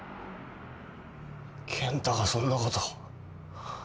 健太がそんなこと。